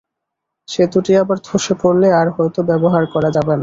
সেতুটি আবার ধসে পড়লে আর হয়তো ব্যবহার করা যাবে না।